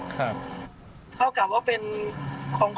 เข้ากลับว่าเป็นของขวัญวันแต่งงานแล้วก็เป็นของขวัญวันเกิดเขาด้วยเลย